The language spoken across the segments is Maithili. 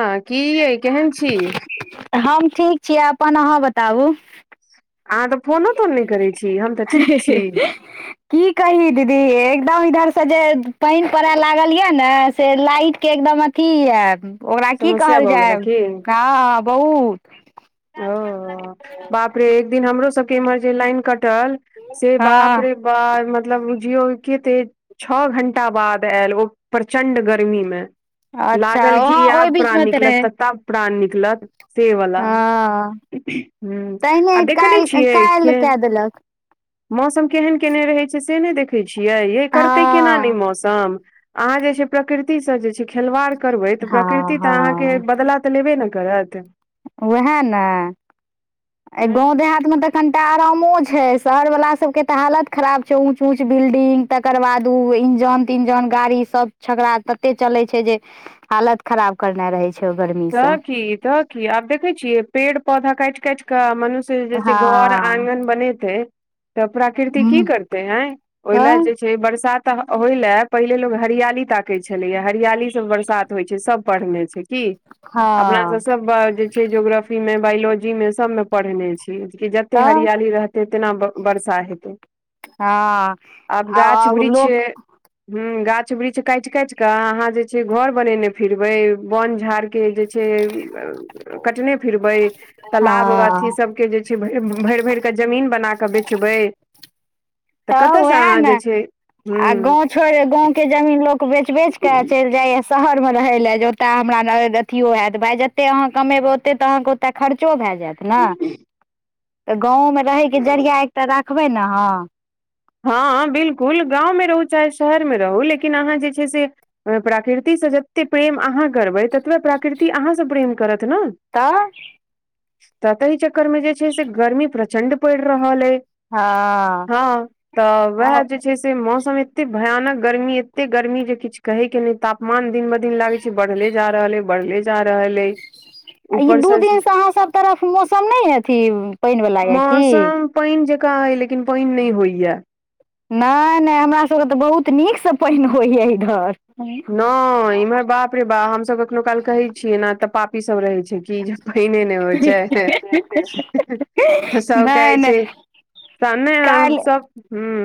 हां कि यै केहेन छी। हम ठीक छी, अपन अहाँ बताबु? अहाँ तऽ फोनो-तोन नै करै छी, हम तऽ ठीक छी। कि कहि दीदी एकदम इधर से जे पैन पड़य लागल यै नै से लाइट के एकदम थी यै ओकरा कि समस्या कहल भऽ जाय गेल की हां बहुत फेर एक दिन हमरो सबके इम्हर जे लाइन कटल से बाप हँ रे बा मतलब बुझियौ की ते छ घण्टा बाद ऐल ओ प्रचंण्ड गर्मीमे। अच्छा ओ ओहि बीच में तऽ रहै। तब प्राण निकलत। से वला हँ हू आ तहिने देखनै काल्हि छियै काल्हि केन कए देलक मौसम केहन केने रहै छै से नै देखै छियै, ये करतै केना नै हँ मौसम अहाँ जे छै प्रकृति से जे खेलवार कर हँ प्रकृति तऽ अहा के हँ बदला तऽ लेबे न करत। वैहा ने ऐ गाँव देहात मे तऽ कनिटा आरामो छै, शहर बला सब के त हालत खराब छै ऊंच -ऊंच बिल्डिंग। तकर बाद ओ इंजन -तिंजन गाड़ी सब छकड़ा तते चलै छै जे हालत खराब करने रहै छै। ओ तऽ गर्मीसँ कि तऽ कि आब देखै छियै पेड़ -पौधा काटि- काटि कऽ मनुष्य जे घर हँ आगन बनैते, तऽ प्रकृति की हूँ करते अंइ ओहि ले तऽ जे छै बरसात होइलए पहिले लोक हरियाली ताकै छलैया हरियाली से बरसात होइ छै, सब पड़हने छै की। अपना हँ सब ब जे छै जोग्रफी में बायोलॉजी में सब में पड़हने छी। कि जते तऽ हरियाली रहतै तेना बर्षा हेतै। हँ आब आ गाछ आव वृक्ष लोक। ह गाछ वृक्ष काटि -काटि कऽ अहाँ जे छै घर बनेने फिरबै बोन झाड़। के जे छै, कटने फिरबै तलाब अथी हँ सबके जे भरि- भरिक कऽ जमीन बना के बेचबै तऽ कतयसँ उएह अहाँ जे ने छै आ गांव हूँ छोइड़ गांव के जमीन लोक बेच -बेच के चैल जायऽ शहर में रहै लए, जे ओतऽ हमरा अथियो हैत भाइ जतेक अहाँ कमेबै ओते तऽ अहाँके ओतऽ खर्चो भए जैत। ने तऽ गाँवमे रहैके जरिया एकटा रखबै न अहां। हँ बिलकुल गाँवमें रहु चाहे शहर में रहु लेकिन अहाँ जे छै से प्राकृतिसँ जते प्रेम अहाँ करबै, ततबे प्रकृति अहाँसँ प्रेम करत न। तऽ। तऽ तही चक्कर में जे छै, से गर्मी प्रचंड पैड़ रहल ऐ। हँ। तऽ आ वएह जे छै, से मौसम एते भयानक गर्मी एते गर्मी जे किछु कहे के नहि ताप मन दिन ब दिन लागे छै बढ़ले जा रहल हइ बढ़ले जा रहल हइ। ई दू दिनसँ अहाँ सभ तरफ मौसम नहि अथी पाइन वला यऽ की। पाइन जकाँ हय, लेकिन पाइन नहि होइया। नै- नै हमरा सबके तऽ बहुत नीकसँ पाइन होइए इधर। नहि ना इम्हर बाप रे बा हमस कखनो काल कहे छियै ने तऽ पापी सब रहे कि जे पाइने ने होइ छै, सब कहे नहि छै त ने हम- काल्हि सब हूं।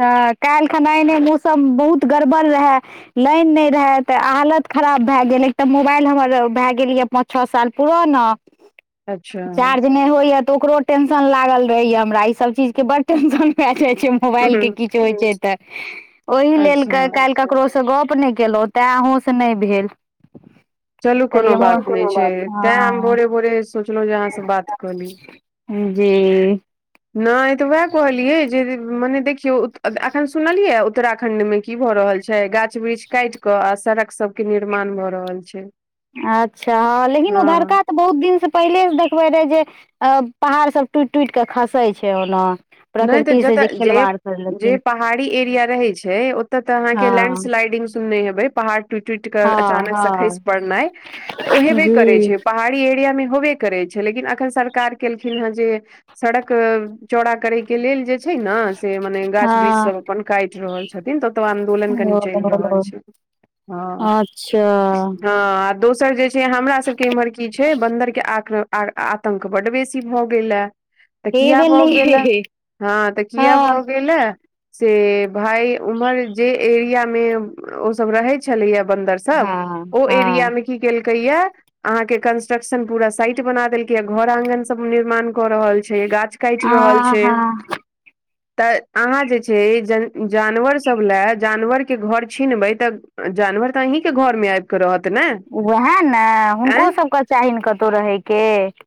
हँ काल्हि खना एने मौसम बहुत गड़बड़ रहए। लाइन नहि रहै तऽ हालत खराब भए गेल एकटा मोबाइल हमर भए गेल ये पांच- छ साल पुराना। अच्छा! नै होइ या तऽ ओकरो टेंशन लागल रहे या हमरा, ई सब चीज के बड टेंशन भए जाय छै मोबाइल के हूँ कि होइ छै तऽ ओहि लेल अच्छा कैल ककरो से गप्प नहि केलहुँं तैं अँहु से नहि भेल। चलू कोनो कलहिये बात हँ नहि कोनो छै तैं हम बात भोरे भोरे सोचलहुँ जे अहाँ से बात कऽ ली ने। जी। नहि तऽ वएह कहलियै जे मने देखियौ, अखन सुनलियै उत्तराखंड में की भ रहल छै गाछ वृक्ष काट के आ सड़क सब के निर्माण भए रहल छै। अच्छा हँ लेकिन हँ उधड़का तऽ बहुत दिन से पहिले से देखबे रहे जे पहाड़ सब टूटि टूटि के खसे छै ओना। नहि तऽ प्रकृति से जतऽ जे खिलवाड़ क जे पहाड़ी एरिया रहैत छै ओतय तऽ अहाँके हँ लैंडस्लाइडिंग सुनने हेबै पहाड़ टुट टुट केऽ हँ अचानक से हँ खसि पड़नाइ तऽ ओ हेबे करे जी छै पहाड़ी एरिया मे होबे करै छै लेकिन अखन सरकार केलखिन हेँ जे सड़क चौड़ा करै के लेल जे छै ने से मने गाछ वृक्ष हँ सब अपन काटि रहल छथिन तऽ ओते आंदोलन कनी चलि रहल ओ छै। अच्छा। अच्छा। हँ आ दोसर जे से हमरा सभके इम्हर की छै बंन्दरके आ आ आतंक बड्ड बेसी भऽ गेल आ। तऽ हे किया भऽ गेला भेलै हँ तऽ किया हँ भऽ गेलआ से भाय उम्हर जे एरिया मे ओ सब रहे छलैया बन्दर स- सब हँ ओ हँ एरियामे की केलकै या अहा के कंस्ट्रक्शन पूरा साइट बना देलकै या घर आंगगन सब निर्माण कऽ रहल छै गाछ काटि आ रहल छै। हा तऽ अहाँ जे छै ज जानवरसभ लए जानवरके घर छीनबै तऽ जानवर तऽ अहीं के घर मे आय इब क रहत ने। उएह ने हुनको आँय सभके चाही ने कतहु रहयके।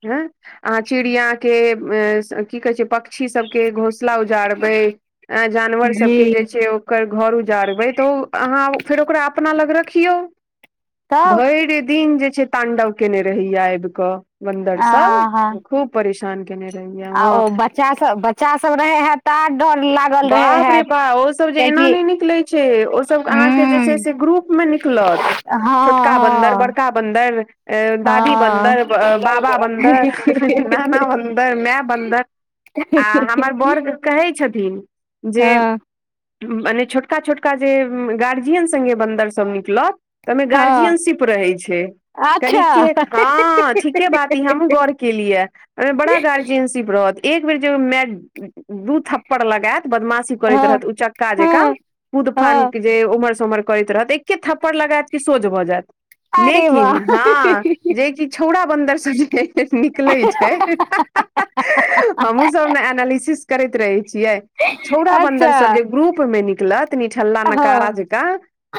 हँ अहाँ चिड़ियाके अ की कहै छै पक्षी सभके घोसला उजारबै जानवर सबके जे जी छै ओकर घर उजारबै तऽ ओ अहाँ फेर ओकरा अपना लंग राखियों तब भैर दिन जे छै तांडव केने रहैया आबि केऽ बन्दर आ सब हँ खूब परेशान केने रहैया आ हँ ओ बच्चा सब बच्चा सब रहे हैत तऽ आर डर लाग बाप रे बाप ओ सब जे एना नहि निकलै छै ओ सब अहाँके जे छै हूँ से ग्रुप मे निकलत। हँ छोटका बन्दर बड़का बन्दर अ हँ दादी हँ बन्दर बाबा बन्दर नाना बन्दर मैय बन्दर आ हमर बाॅर कहै छथिन जे हँ मने छोटका छोटका जे गार्जियन संगे बन्दरसब निकलत तय में हँ गार्जियनशिप रहय छय। कनि अच्छा के हँ ठीके बात ई हमहुँ गौर के लिय ऐ ओय में बड़ा गार्जियनशि शिप रहत एक बेर जे ओय माए मे दू थप्पड़ लगेत बदमाशी करैत हँ रहत उचक्का जेका हँ कूदफान हँ के जे उमहर स उमहर करैत रहत ए एके थप्पड़ लगेत की सोझ भ जेत अरे लेकिन वाह हँ जेकि छौरा बन्दर सब जे निकलय छय। हमहु सब ने एनालिसिस करैत रहय छिय छौरा बंदर अच्छा सब जे ग्रुप में निकलत नीठला नकारा हँ जंका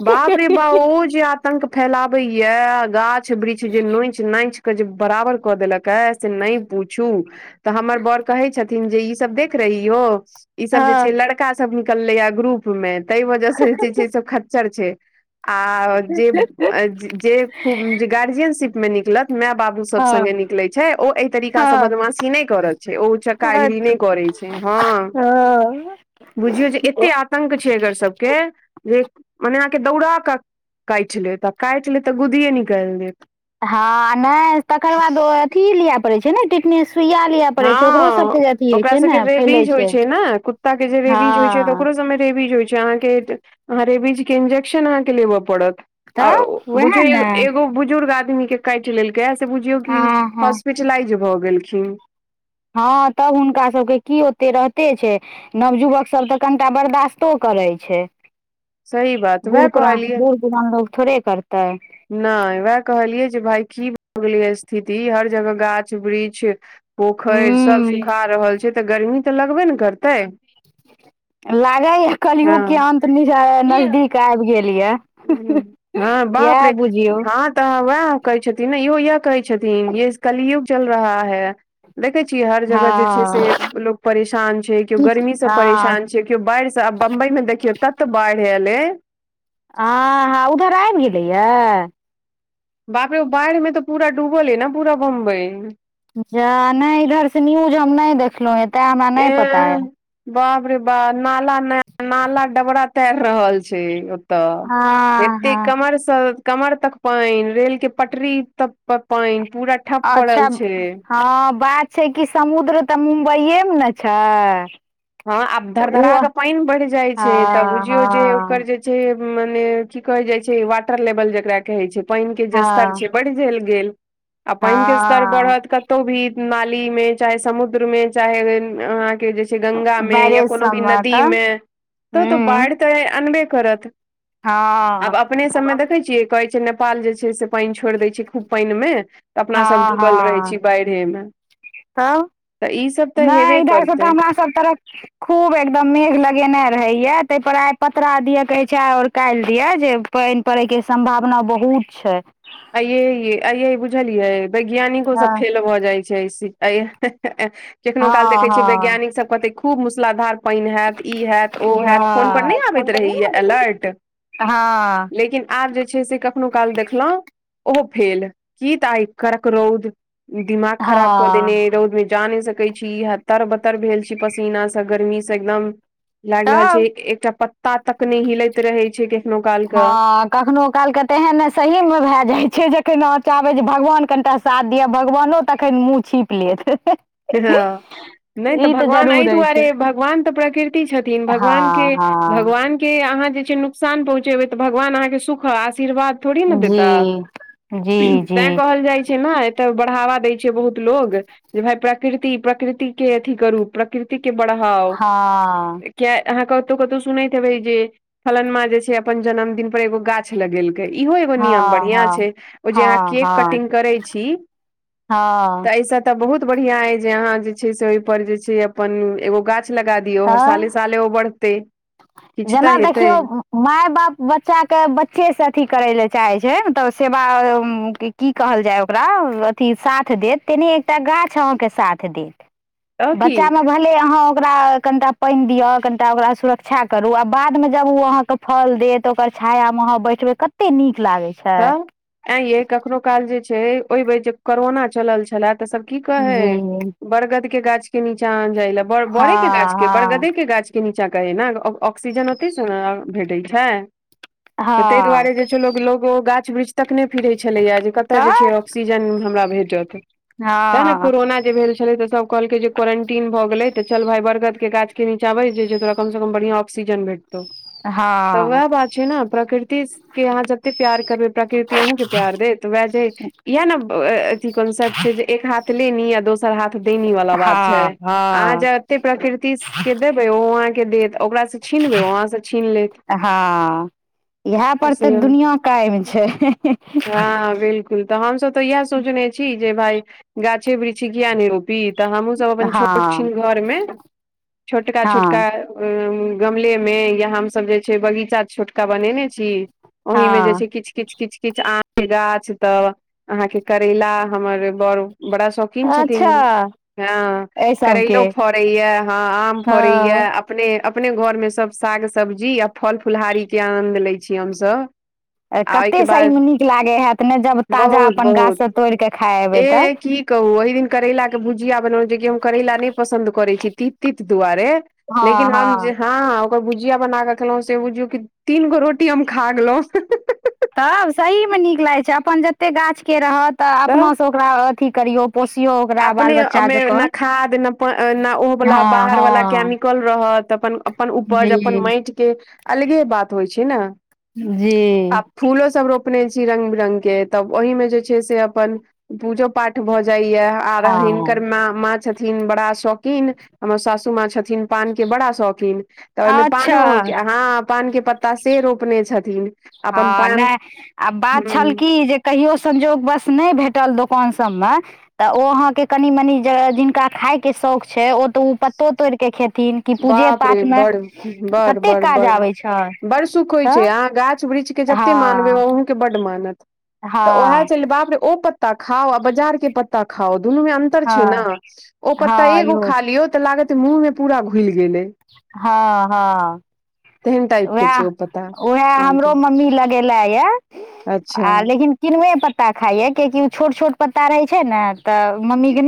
बाप रे बा ओ जे आतंक फैलाबय या गाछ वृक्ष जे नोच नाचि क जे बराबर क देलक ऐ से नय पूछू त हमर बाॅर छथिन जे इ सब देख रही हो इ सब जे छै हँ लड़का सब निकल या ग्रुप में ताहि वजह स जे छय सब खच्चर छय आ जे जे खूब जे गार्जियनशिप मे निकलत माए बाप अहु सब हँ संगे निकलै छै ओ एय तरीका स हँ बदमाशी नय करत। ओ उचक्का गिरी अच्छा नय करै छै हँ। बुझियौ जे एते आतंक छै एकर सबके जे, मने अहाँके दौड़ा क काइट लेत आ काइट लेत त गुदिये निकाएल देत। हँ नय तकर बाद ओ अथी लिय परै छै न टिटनेस सुइया लिय। हँ ओकरा सबके रेबीज होय छै न कुत्ता के जे रेबीज होय छै त हँ ओकरो सब मे रेबिज होइ, च अहाँके‌ अहा रेबीज के इंजेक्शन अहाँके लेब परत। आ तऽ ओ उएह बुझयो ने एगो एगो बुझ, बुजुर्ग आदमी के काइट लेल कैय ऐ से बुझियौ हँ की हँ हॉस्पिटलाइज भ गेलखिन। हँ त हुनका सबके की ओते रहते छै, नवयुवक सब त कनिटा बर्दाश्तो करेय छै। सही बात बूढ़ वएह पुरान कहलियै बूढ़ पुरान लोग थोड़े करतय। नय उहे कहलियै जे भाय की भ गेलेय ऐ स्थिति हर जगह गाछ वृक्ष, पोखरि सब हूँ सुखा रहल छय त गरमी त लगबे ने करतय। लागय ऐ कलयुग के अंत बुझेय नजदीक आब गेल यै। हँ बाप रे, जियो। हँ त वैह कय छथिन इहो इहे कहय छथिन ये कलयुग चल रहा है। देखे छीय हर जगह जे छै से हँ लोक परेशान छय केओ गरमी स हँ परेशान छय, केओ बाइढ़ स आ बम्बई में देखियौ तत बाइढ़ ऐल ऐ। आ हा उधर आइब गेलेया। बाप रे ओ बाइढ़ में त पूरा डूबल अय न पुरा बम्बई। जा नय इधर स न्यूज हम नय देखलहुँं हे तैं हमरा नय पता अय। एह बाप रे बा नाला न नाला डबरा तैर रहल छैय। त हँ एते हँ कमर स, कमर तक पइन रेल के पटरी तक पर पइन पूरा, ठप अच्छा पड़ल छै ह बात छय कि समुद्र त मुंबई ये में न छ। हँ आब धर धरा के पइन बढ़ जाइ छय त हँ बुझियौ जे ओकर हँ जे, जे मने की कहय जाय छय वाटर लेवल जकरा कहै छय। पइन के जे स्तर हँ छय बढ़ि झलि गेल आ पइन के स्तर हँ बढ़त क, कतो भी नाली में चाहे समुद्र में चाहे अहाँ के जे छै, गंगा में या बैरेज कोनो भी सबमे नदी तऽ में त वो हूँ बाइढ त अनबे करत। आब हँ अपने सबमें देखय छिय कहय छै नै, नेपाल जे छे से पइन छोइर दय छय खूब पइन मे त अपना सब डूबल रहय छी बइढ़ में। त। नय इधर स त हमरा सब, करतै हमरा सब तरफ खूब एकदम मेघ लगेने रहैया। तय पर आय पतरा दिये कहय छय और काइल दिय जे पइन परै के सम्भावना बहुत छय। आइ ए ई आइ ए ई बुझलियै वैज्ञानिको हँ सब फेल भ जाय, छैय से आइ ए ह-ह-ह हँ केखनो काल देखय छियै हँ वैज्ञानिक सब कहतै खूब मुसलाधार, पइन हैत ई हैत ओ हैत फोन पर हँ नय फोन आबैत पर नहि रहैये आबैत रहै। अलर्ट। हँ। लेकिन आब जे छैय से कखनो काल देखलहुँ ओहो फेल की त आइ कड़क रौउद, दिमाग खराब क देने हँ ई रौद जाने, देखै छी यैह तर बतर भेल छी पसीना स गरमी स एकदम। लाइल रहल छैय तब एक एकटा पत्ता तक नय हिलैत रहै छैय केखनो काल क। हँ कखनो कालके ते एहन नै सही मे भाय जाय छै, जखैन अहाँ चाहबै जे भगवान कनटा साथ दियऽ भगवानो तखन मुँह छिप लेत। हां नै ई तऽ भगवान अय जरूर होइ दुआरे छै भगवान तऽ प्रकृति छ थिन भगवान के हँ हँ भगवान के अहाँ जे छै नुकसान पहुँचेबै तऽ भगवान अहाँके सुख आ आशीर्वाद थोड़ी ना जी देता जी जी तैं कहल जाय छै नै तब बढ़ावा दै छै बहुत लोग जे भाय प्रकृति, प्रकृति के अथी करू प्रकृ ति के बढ़ाउ। हँ कियाए अहाँ कतौ-कतौ सुनैत हेबे जे फलनमा जे छै अपन जनमदिन पर एगो गाछ लगेल कै इहो एगो नियम हँ बढ़ियां हँ छै उ जे अहाँ हँ केक कटिंग करै छी। हां। तऽ एहिसँ तऽ बहुत बढ़ियाँ अय जे अहाँ जे छै से ओय पर जे छै अपन एगो गाछ लगा दियौ हर साले-साले ओ बढ़तै। किछु जना तऽ हेतै देखियौ माय-बाप बच्चा के बच्चे से अथी करै लै चाहे छै मतलब सेवा उम्म कि की कहल जाय ओकरा अथी साथ देत तेने एकटा गाछ अहाँ के साथ देत। तऽ की बच्चा मे भलै अहाँ ओकरा कनटा पेएन दियौ, कनटा ओकरा सुर क्षा करू आ बाद मे जब उ अहाँके फल देत त ओकर छाया मे अहाँ बैठबै कते नीक लागै छै तऽ ऐं यै कखनो काल जे छै ओय बेर जे करोना चलल छलाए त सब की कहै जी बरगद के गाछ के नीचा आ जाय लै, बड़ बोड़े के गाछ हँ के, हँ बरगदे के गाछ के नीचा कहै नै ऑक ऑक्सीजन ओतय से नै भेटै छै। तऽ तै हँ दुआरे जे छै लोग लो ग ओ गाछ-वृक्ष तकने फिरै छलैया जे कता जे तऽ छै ऑक्सीजन हमरा भेटत। तें हां। ने कोरोना जे भेल छलै त सब कहलकै जे क्वरेंटीन भऽ गेलै तऽ चल भाय बरगद के गाछ के नीचा बैस जो जे तोरा कम से कम बढ़ियाँ ऑक्सीजन भेटतौ तऽ हँ वाएह बात छै नै प्रकृति के अहाँ ज ते प्यार करबै प्रकृति अहुँ के प्यार देत वाएह जेे इहाए ने ब अ-अ अथी कॉन्सेप्ट छै जे एक हाथ लेनी आ दोसर हाथ देनी वाला बात छै। अहाँ हाँ। जते प्रकृतिस के देबै उ अहाँ के देत ओकरा से छीनबै ओ अहाँ से छीन लेत हां इहाए पर तऽ दुनिया कायम छै। हां बिलकुल तऽ हम सब तऽ इहाए सोचने छी जे भाय गाछी-विरछी कियाए नै रोपी। तऽ हमु सब अपन छोट हँ छीन घर मे छोटका-छोटका हँ उम्म गमले मे या हम सब जे छै बगीचा छोटका बनेनै छी। ओहि मे जे हँ छै किछ-किछ-किछ-किछ आम के गाछ तऽ अहाँ के करैला हमर बोड़ बड़ा शौकीन अच्छा छथिन। हां एहि सबके करैलो फड़ैया हां आम फड़ैया हँ आ अपने, अपने घर मे सब साग, सब्जी आ फल फुलहारी के आनन्द लै छी हम सब। अय कते सही मे नीक लागै हाएत नै जब ताजा बहुत अपन गाछ से तोड़ कऽ खाय हेबै तऽ। कहु ओहि दिन करैला के भुजिया बनौ जे की हम करैला नै पसन्द करै छी तीत-तीत दुआरे हँ लेकिन हम हँ जे हां ओकर भुजिया बना कऽ खेलौं से बुझियौ की तीनगो रोटी हम खा गेलौ। तब सही मे नीक लागै छै, अपन जते गाछ के रहत तऽ अपना सँ ओकरा अथी करियौ पोसियौ ओकरा अपने बाल बच्चा में जकाँ न खाद न पै न उ वला हँ बाहरवला हँ कैमिकल रहत अपन अपन जी उपज अपन मइट के अलगे बात होइ छै न। जी फूलो सब रोपने छी रंग-बिरंग के तब ओहि में जे छै से अपन पूजो-पाठ भऽ जाइयै। आर आ हिनकर हँ माँ माँ छथिन बड़ा शौकीन हमर सासु माँ छथिन। पान के बड़ा शौकीन तऽ ओय में पानों अच्छा के हँ पान के पत्ता से रोपने छथिन अपन हँ नै पान आ ह बात छल की जे कहियो संजोग बस नै भेटल दोकान सब में तऽ ओ अहाँके कनि-मनि जे जिनका खायके शौक छै ओ तऽ उ पत्तो तोइड़ कऽ खेथिन कि पूजे बाप रे पाठ मे कते काज आबै छै बड़-बड़-बड़-बड़-बड़ सुख होइ तऽ छै। अहाँ गाछ वृक्ष के जत्ते मानबै ओ हँ अहूँ के बड मानत तऽ ओहै हँ छेलै बाप रे ओ पत्ता खाउ आ बाजार के पत्ता खाउ दुनू में अं तर छै न हँ ओ पत्ता हँ एगो इहो खा छै लियौ तऽ लागत मुह में पूरा घुइल गेलै हँ हँ तेहन टाइप के वैह छै ओ पत्ता वैह आम हमरो के मम्मी लगेलै यै अच्छा आ लेकिन किनुए पत्ता खाइया कियैकि उ छोट-छोट पत्ता रहै छै ने तऽ मम्मी के नै